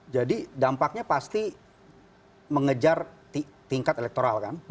jadi dampaknya pasti mengejar tingkat elektoral kan